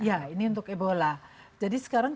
iya ini untuk ebola jadi sekarang